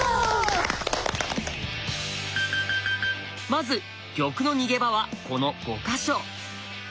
まず玉の逃げ場はこの５か所。